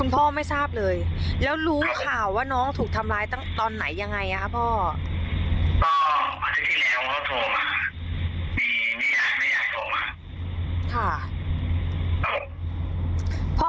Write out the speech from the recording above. พ่อไม่ได้อยู่กับลูกสาวตลอดเหรอคะ